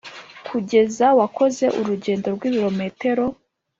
kugeza wakoze urugendo rw'ibirometero